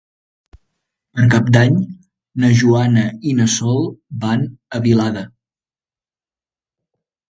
Per Cap d'Any na Joana i na Sol van a Vilada.